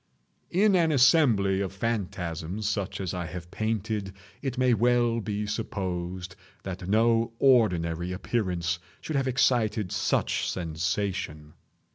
In an assembly of phantasms such as I have painted, it may well be supposed that no ordinary appearance could have excited such sensation.